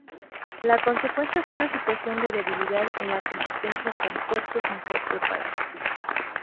La consecuencia fue una situación de debilidad en la competencia con puertos mejor preparados.